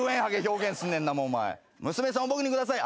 「娘さんを僕にください」